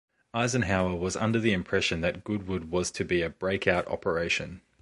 Eisenhower was under the impression that Goodwood was to be a break out operation.